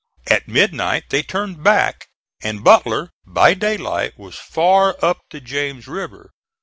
At midnight they turned back, and Butler by daylight was far up the James River.